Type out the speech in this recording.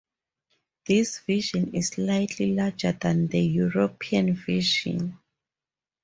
This version is slightly larger than the European version.